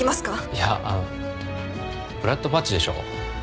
いやあのブラッドパッチでしょ？